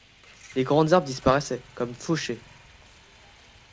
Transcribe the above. Les grandes herbes disparaissaient comme fauchées.